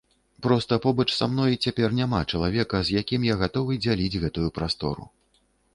Проста побач са мной цяпер няма чалавека, з якім я гатовы дзяліць гэтую прастору.